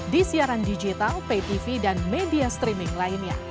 di siaran digital pay tv dan media streaming lainnya